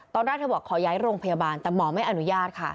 ตอนแรกเธอบอกขอย้ายโรงพยาบาลแต่หมอไม่อนุญาตค่ะ